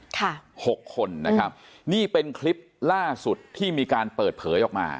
หกคนนะครับนี่เป็นคลิปล่าสุดที่มีการเปิดเผยออกมา